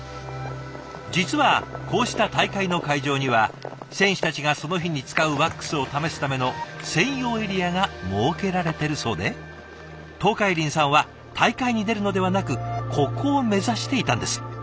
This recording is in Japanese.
実はこうした大会の会場には選手たちがその日に使うワックスを試すための専用エリアが設けられてるそうで東海林さんは大会に出るのではなくここを目指していたんです。